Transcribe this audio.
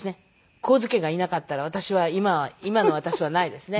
神津家がいなかったら私は今今の私はないですね。